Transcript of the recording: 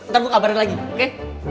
ntar mau kabarin lagi oke